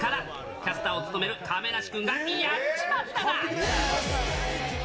キャスターを務める亀梨君がやっちまったなぁ！